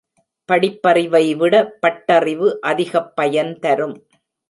படிப்பறிவை விட, பட்டறிவு அதிகப் பயன் தரும்.